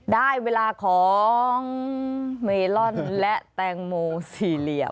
ได้เวลาของเมลอนและแตงโมสี่เหลี่ยม